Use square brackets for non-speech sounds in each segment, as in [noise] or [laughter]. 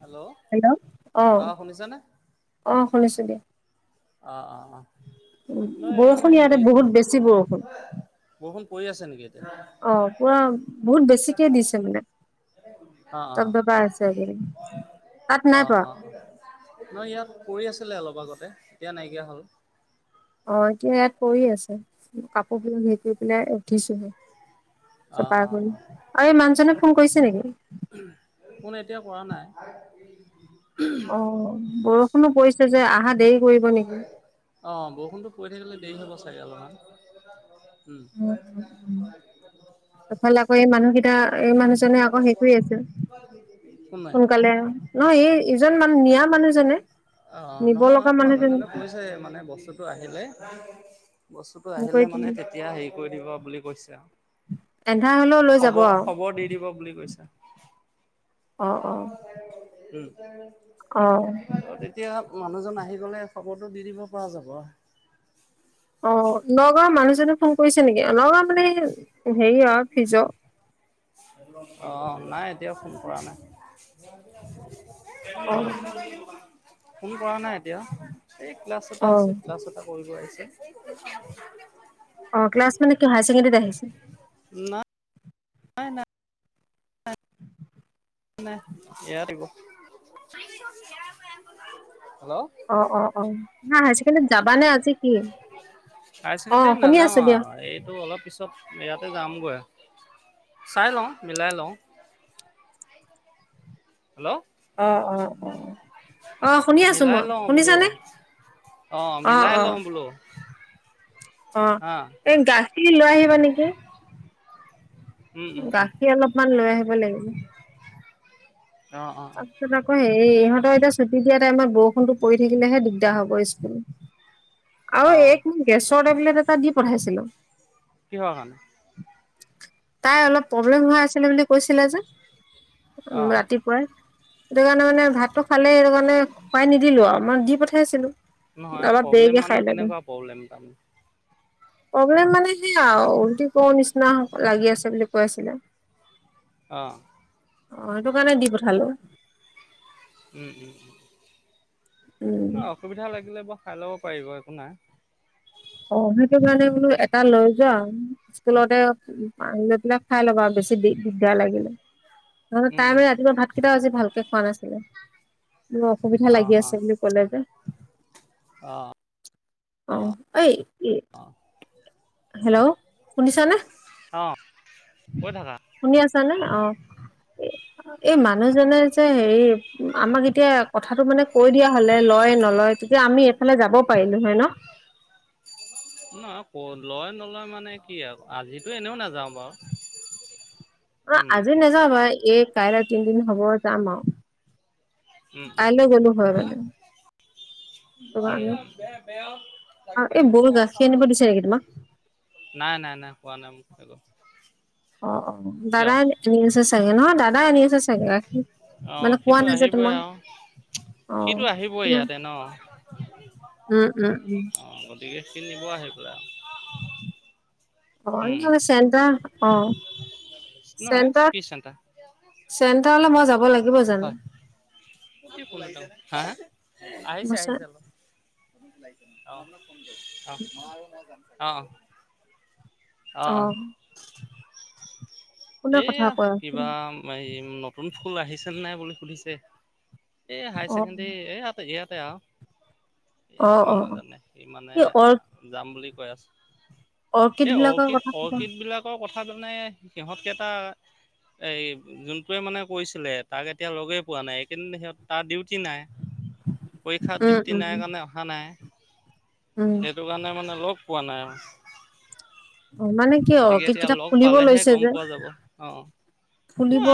Hello hello আহ অঁ শুনিছানে? আহ শুনিছো দিয়া। অ অ অ। বৰষুণ ইয়াতে বহুত বেছি বৰষুণ। বৰষুণ পৰি আছে নেকি এতিয়া? আহ পুৰা বহুত বেছিকে দিছে মানে, অঁ অঁ দপ দপাই আছে আজি। তাত নাই অঁ পৰা দিছিলে অলপ আগতে। এতিয়া নাইকিয়া হ'ল অ এতিয়া ইয়াত পৰি আছে কাপোৰবিলাক হে কৰি পেলাই উঠিছোহে। অ চপাই অ কৰি। আৰু এই অ মানুহজনে ফোন কৰিছে নেকি? ফোন এতিয়া কৰা নাই। হয়। অ বৰষুণো পৰিছে যে আহাত অ বৰষুণতো পৰি থাকিলে। স হাব চাগে অলহ [unintelligible] উ উম উম তফাল আকৌ এই মানুহকেইটা মানুহজনে আকৌ শেষ আছে কোন নাই? সোনকালে নহয় এই ইজন মানুহ নিয়া মানুহজনে অঁ নিব লগা নহয় মানুহজন [unintelligible] মানুহজনে কৈছে মানে বস্তুটো আহিলে বস্তুটো আহিলে মানে তেতিয়া হেৰি কৰি দিব বুলি কৈছে এন্ধাৰ হলেও লৈ যাব আৰু হব দি দিব বুলি কৈছে অ অ উম অ তেতিয়া মানুহজন আহি গ'লে খবৰটো দি দিব পৰা যাব অ নগাঁৱৰ মানুহজনে ফোন কৰিছে নেকি নগাঁৱ মানে হেৰি আৰু ফিজ অঁ নাই এতিয়া ফোন কৰা নাই অ উ কৰা নাই এতিয়া এই ক্লাছ অ এটা আছে ক্লাছ এটা কৰিব আহিছে [inaudible] অ ক্লাছ মানে কি হায় ছেকেণ্ডেৰীত আহিছিল [unintelligible] নাই নাই নাই নাই ইয়া দিব অ অ অ হাই চছেকেণ্ডৰীত যাবা নে আজি কি হায়াৰ অ ছেকেণ্ডেৰীত শুনি নাযাওঁ আছো আৰু দিয়া এইটো অলপ পিছত ইয়াতে যামগৈ চাই লওঁ মিলাই লওঁ হেল্ল' অঁ অঁ অ অঁ শুনি আছোঁ মিলাই মই লওঁ বোলো শুনিছানে অ' অঁ মিলাই অ লওঁ বোলো অ হা। এই গাচ লৈ আহিবা নেকি উম উম উম ইমান লৈ আহিব লাগিব [unintelligible] অ', অ', অ', তাৰপাছত আকৌ হেৰি এই ইহঁতৰ এতিয়া ছুটি দিয়া টাইমত বৰষুণতটো পৰি থাকিলেহে দিগদাৰ হ'ব স্কুল [unintelligible] অ এক মিন কেছ [unintelligible] ট এটা দি পঠাইছিলো কিহৰ কাৰণে তাই অলপ প্ৰব্লেম হোৱা আছিলে বুলি কৈছিলে যে উ অ' ৰাতি সেইটো কাৰণে মানে ভাতটো খালে সেইটো কাৰণে খুৱাই নিদিলো আৰু মই দি পঠাই আছিলো [unintelligible] নহয় প্ৰব্লেম মানে কেনেকুৱা প্ৰব্লেম তাম প্ৰব্লেম মানে সেইয়া উলটি কৰ নিচিনা লাগি আছে বুলি কৈ আছিলে [unintelligible] আহ অহ, সেইটো কাৰণে দি খালো। উম- উম- উম। উম নহয় অসুবিধা লাগিলে ব খাই লক পাৰিব একো নাই। অহ, সেইটো কাৰণে বোলো এটা লৈ যাম স্কুলতে আহি লৈ পেলাই খাই ল'বা আৰু বেছি দিগদাৰ লাগিলে। নহয় তাই মানে ৰাতিপুৱা ভাতকেইটাও আজি ভালকে খোৱা নাছিলে। মোৰ অসুবিধা লাগি আছে বুলি ক'লে যে অহ', অহ, এই অঁ হেল্ল', শুনিছা নে? অহ', শুনি আছ নে অহ। এই মানুহজনে যে হেৰি আমাক এতিয়া কথাটো মানে কৈ দিয়া হলে লয়- নলয় তেতিয়া আমি এফালে যাব পাৰিলো হয় ন'? নহয় ক লয় -নলয় মানে কি আৰু আজিতো এনেও নাযাওঁ বাৰু অহ, উম আজি নেযাওঁ বা কাইলৈ তিনিদিন হ'ব যাম আৰু। উম- উম কাইলৈ -উম, গ'লো হয় নাই মানে সেইটো কাৰণে আৰু এই বৌৰ গাখীৰ আনিব দিছে নেকি তোমাক - নাই -নাই খোৱা নাই মোক। হেল্ল', অহ - অহ দাদাই আনি আছে চাগে ন' দাদ নাই আনি আছে চাগে। গাখীৰ অহ, মানে কোৱা সিটো নাই যে আহিবই তোমাক আৰু অ সিটো আহিবই উম ইয়াতে ন' উম উম অহ গতিকে সি নিব আহি পেলাই অহ, উম [unintelligible] চেণ্টাৰ অহ', নহয় চেণ্টাৰ কি চেণ্টাৰ -চেণ্টাৰলৈ মই যাব লাগিব জানো? হয় হা হা আহিছে- আহিছে অলপ অহ', অহ, মই নেজানো। অহ', অহ', এইয়া আছে কিবা এই নতুন স্কুল আহিছেনে নাই বুলি সুধিছে। এই হায়াৰ অ ছেকেণ্ডোৰী এই আ ইয়াত। আও। এ অ অ মানুহ জানে সি মানে এই অ যাম বুলি। কৈ আছো। সেই বিলাকৰ অৰ্কিড কথা কবা অৰ্কিড বিলাকৰ কথা। সিহঁত। এটা, এই যোনটোৱে মানে কৈছিলে, তাক এতিয়া লগেই পোৱা নাই। এই কেইদিন সিহ তাৰ ডিউটি। নাই পৰীক্ষাত উম ডিউটি নাই উম কাৰণে অহা নাই। উম সেইটো কাৰণে মানে লগ। পোৱা নাই। অ মানে কি অ কিতাপ খুলিব লৈছে যে। অ অ। ফুলিব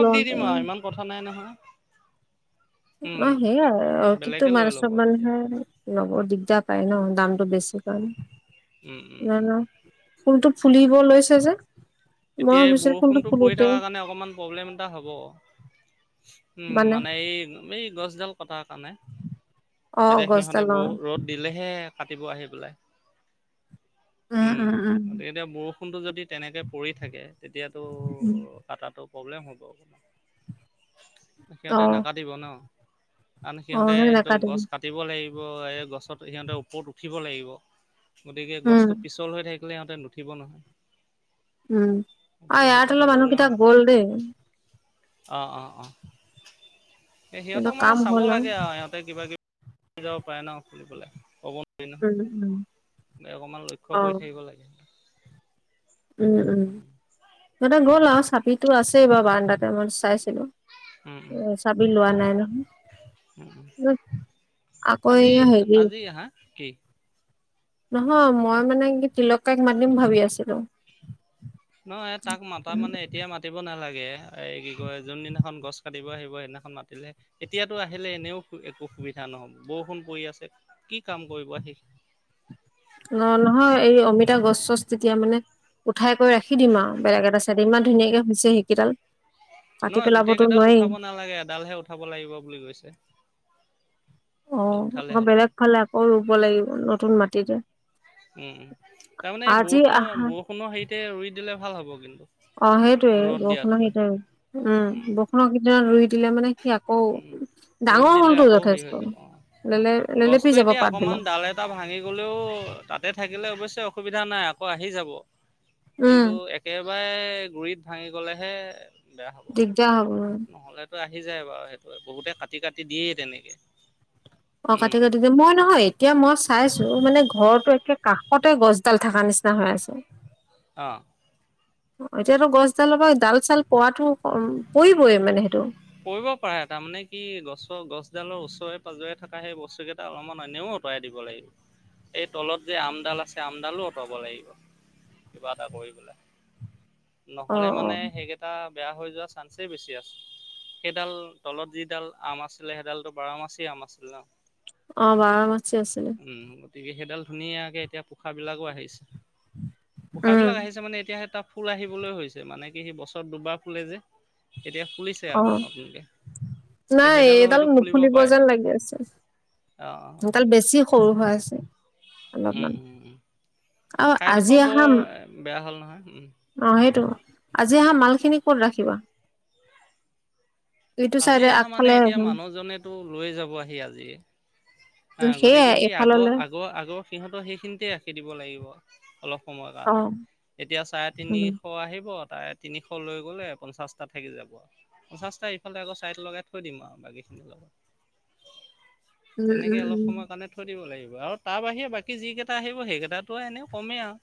ল দি দিম আৰ ইমান কথা নাই নহয়। অ উম। সেইয়াই অ কিন্তু বেলেগে মান লৈ ল'ব চব তেতিয়া। মানুহে লব দিগ। দা পায় ন দামটো বেছি কাৰনে। উম উম উম উম। ফুলতটো ফুলিব লৈছে যে। মই এতিয়া এই ভাবিছিলো ফুলটো বৰষুণতটো পৰি ফুলোতে থকাৰ কাৰণে অকমান প্ৰব্লেম এটা হ'ব। উম মানে এই। এই গছডাল। কটাৰ কাৰণে। অ এতিয়া সিহঁতে গছডাল অ বহু ৰ'দ দিলেহে। কাটিব আহি পেলাই। উম গতিকে এতিয়া বৰষুণতটো যদি তেনেকে। পৰি থাকে তেতিয়ো। উম প্ৰব্লেম হব। অ সিহঁতে নাকাটিব ন। কাৰণ অ সিহঁতে সেই সেইটো গছ নাকাটিবি কাটিব লাগিব। গছত সিহঁতেৰ ওপৰত উঠিব লাগিব। গতিকে উম গছতটো পিছল হৈ থাকে। ইহঁতে নুঠিব নহয়। উম গতিকে আৰু সেইটো ইয়াত অলপ মানুহ কেইটাক গ'ল দেই। অঁ অঁ অঁ। এ কিন্তু সিহঁতক মানে কাম চাব হ'ল আও লাগে আৰু সিহঁতে কিবা কিবি যাব পাৰে ন ফুৰিবলৈ ক'ব উম উম নে অকমান লক্ষ্য অ কৰি থাকিব লাগে উম উম সিহঁতে গ'ল আচ চাপিতো আছে বাৰ বাৰাণ্ডাতে মই চাইছোঁ উম উম চাবি লোৱা নাই [unintelligible] [inaudible] উম উ নহয় আকৌ আজি এই হেৰি আজি হা কি নহয় মই মানে কি তিলক কাইক মাতিম ভাবি আছিলো নহয় তাক মাতা মানে এতিয়া মাতিব নালা- গে [unintelligible] এই কি কয় যোনদিনাখন গছ কাটিব আহিব সেইদিনাখন মাতিলেহে এতিয়াতো আহিলে এনেও একো সুবিধা নহ'ব বৰষুণ পৰি আছে কি কাম কৰিব আহি তছ তেতিয়া মানে উঠাই কৰি ৰাখি দিম আৰু বেলেগ এটা চাইডে ইমান ধুনীয়াকে হৈছে সেইকেইডাল কাটি নহয় গোটেই পেলাবতো কেইডাল নোৱাৰি উঠাব নালাগে এডালহে উঠাব লাগিব বুলি কৈছে অ এডাল উঠালে আকৌ হ'ল আৰু বেলেগ ফালে আকৌ ৰুব লাগিব নতুন মা- তিতে উম তাৰমানে এই বৰষুণৰ আহা বৰষুণৰ হেৰিতে ৰুই দিলে ভাল হ'ব কিন্তু অ সেইটোয়ে ৰ'দ বৰষুণৰ দিয়াতকৈ [unintelligible] উম বৰষুণৰ কেইদিনত ৰুই দিলে মানে সি আকৌ উম ৰ'দ ডাঙৰ দিলে হ'লতো আকৌ হেৰি হৈ যথেষ্ট লেলে যাব লেলেপি গছটো যাব এতিয়া পাত অকমান বিলাক ডাল এটা ভাঙি গলেও তাতে [unintelligible] থাকিলে অৱশ্যে অসুবিধা নাই আকৌ আহি যাব উম কিন্তু একে- বাই গুৰিত ভাঙি গলেহে বেয়া হ'ব দিগদাৰ হ'ব উ নহ'লেতো আহি যায় বাৰু সেটো বহুতে কাটি কাটি দিয়েই তেনেকে অ উম কাটি কাটি মই নহয় এতিয়া মই চাইছো মানে ঘৰটো কাষতে গছডাল থকা নিচিনা হৈ আছে অঁ এতিয়াতো গছডালৰ পৰা ডাল চাল পোৱাতো পৰিবই মানে সেইটো পৰিব পাৰে তাৰমানে কি গছৰ গছডালৰ ওচৰে পাজৰে থকা সেই বস্তু কেইটা অলপমান এনেও অঁতৰাই দিব লাগিব এই তলত যে আমডাল আছে আমডালো অঁতৰাব লাগিব কিবা এটা কৰি পেলাই অ নহলে অ মানে সেইকেইটা বেয়া হৈ যোৱা চান্সেই বেছি আছে। সেইডাল তলত যিডাল আম আছিলে সেইডালটো বাৰ মাচিআম আছিলে ন। [unintelligible] অঁ বাৰ মাচি আছিলে। উম, [unintelligible] গতিকে সেইডাল ধুনীয়াকে এতিয়া পোখা বিলাকো আহিছে। পোখাৰ উম বিলাক আহিছে মানে এতিয়া - ফুল আহিবলৈ হৈছে। মানে কি সি বছৰত দুবাৰ ফুলে যে এতিয়া ফুল- অঁ নাই সেইডালো এইডাল হয়তো ফুলিব নুফুলিব পাৰে যেন লাগি আছে। অ', অ'। সেইডাল বেছি সৰু হৈ আছে। উম অলপমান উম উম। আৰু আজি ঠাইডোখৰ অহা বৰ বেয়া হ'ল নহয়। অ সেইটো আজি আহা মাল খিনি ক'ত ৰাখিবা? ইটো আজি চাইডে অহা মানে আগফালে এতিয়া ৰাখিম মানুহজনেতো লৈ যাব আহি আজি। হাঁ সেয়াই গতিকে সেই আগৰ এইফাললে আগৰ আগৰ সিহঁতৰ সেইখিনিতে ৰাখি দিব লাগিব। অলপ সময়ৰ অ কাৰণে এতিয়া চাৰে উম তিনিশ আহিব। চাই তিনিশ লৈ গ'লে পঞ্চাশটা থাকি যাব পঞ্চাশটা। আকৌ চাইট লগাই থৈ দিম আৰু বাকীখিনিৰ লগত। উম, উম, তেনেকে অলপ উম, সময় কাৰণে থৈ দিব লাগিব। আৰু তাৰ বাহিৰে বাকী যি কেইটা আহিব সেইকেইটাতো এনেইও কমেই আৰু।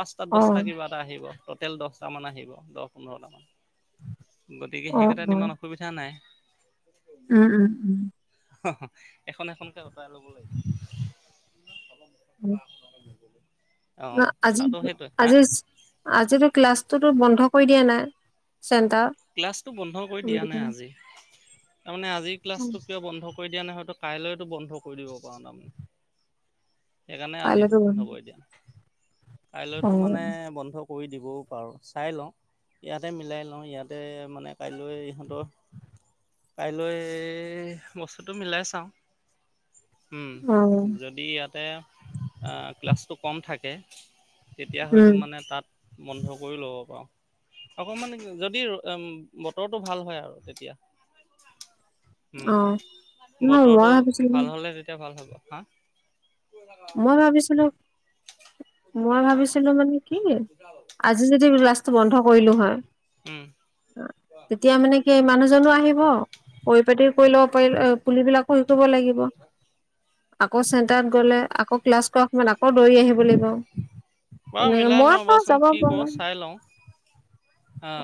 পাঁচটা, দহটা অ', কিবা এটা আহিব। টোতেল দহটা মান আহিব দহ, পোন্ধৰটা মান। গতিকে অ', সেইকেটা- তা'ত অ', ইমান অসুবিধা নাই। উম, উম, উম। অ এখন এখনকে আঁতৰাই লব উম। লাগিব। অ আজি কথাটো সেইটোৱে হা আজিৰ আজিৰো ক্লাছটোতো বন্ধ- কৰি দিয়া নাই? চেণ্টাৰ? ক্লাছটো বন্ধ কৰি দিয়া নাই আজি। তাৰমানে আজিৰ ক্লাছটো কিবা বন্ধ- কৰি দিয়া নাই। হয়তো কাইলৈতো বন্ধ কৰি দিব পাৰো তাৰমানে। সেইকাৰণে আজি বন্ধ কৰি দিয়া নাই। কাইলৈতো মানে অ', বন্ধ- কৰি দিবও পাৰোঁ। চাই লওঁ ইয়াতে মিলাই লওঁ ইয়াতে মানে কাইলৈ ইহঁতৰ কাইলৈ বস্তুটো মিলাই চাওঁ। উম অ', যদি ইয়াত ক্লাছটো কম থাকে তেতিয়া হয়তো উম, মানে তাত বন্ধ কৰি ল'ব পাৰো অকণমান যদি বতৰটো ভাল হয় আৰু তেতিয়া উম অ', নহয় মই বতৰটো ভাবিছিলো ভাল হলে তেতিয়া ভাল হ'ব হা মই ভাবিছিলো মই ভাবিছিলো মানে কি আজি যদি ক্লাছ বন্ধ কৰিলো হয় উম। তেতিয়া মানে কি মানুহজনো আহিব পৰি পাতি কৰি লব পাৰিলে পিবিলাক শই কাৰিবব লাগিব আকৌ চেণ্টাৰত গ'লে আকৌ ক্লাছ কৰা সময়ত আকৌ দৌৰি আহিব লাগিব বা তেনেকে মিলাই মই লওঁ বাৰু বাচোন যাব কি ক পৰা চাই লওঁ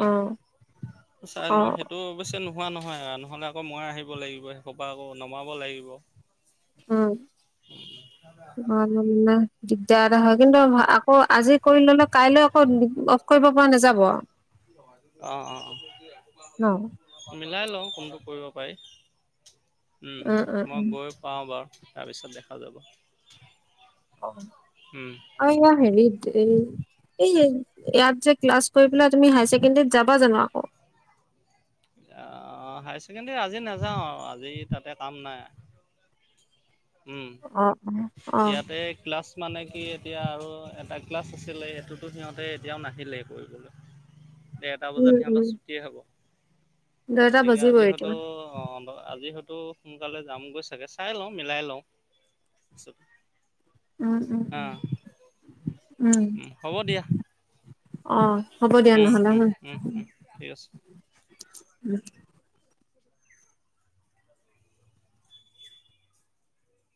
অ', অ চাই লওঁ সেইটো অৱশ্য নোহোৱা নহয় অ নহলে আকৌ মই আহিব লাগিব হুপা আকৌ নমাব লাগিব উম এনে বেয়া এটা হয় কিন্তু আকৌ আজি কৰি ললেও কাইলৈ আকৌ কৰিব পৰা নাযাব। অ অ ন অ মিলাই লওঁ কোনটো কৰিব পাৰি উম মই গৈ পাওঁ বাও তাৰপিছত দেখাও যাব অ উম, আৰু হেৰি এ এই ইয়াত যে ক্লাছ কৰি পেলাই তুমি হায়াৰ ছেকেণ্ডৰীত যাবা জানো আকৌ আহ হায়াৰ ছেকেণ্ডাৰী আজি নাযাওঁ আৰু আজি তাতে কাম নাই অ', অ', উম অ', ইয়াতে ক্লাছ মানে কি এতিয়া আৰু এটা ক্লাছ আছিলে সেটোতো সিহঁতে এতিয়াও নাহিলে কৰিবলৈ দেৰটা উম, বজাত উম, সিহঁতৰ ছুটিয়েই হ'ব দেৰটা গতিকে আজি বাজিবই হয়তো এতিয়া অ। আজি হয়তো সোনকালে যামগৈ চাগে চাই লওঁ মিলাই লওঁ পিছত। উম উম উম হ'ব দিয়া অ হ'ব দিয়া উম উম নহলে। উম উম ঠিক আছে। উম